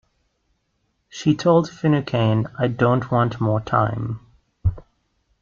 She told Finucane, I don't want more time.